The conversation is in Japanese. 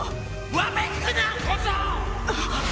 ・わめくな小僧！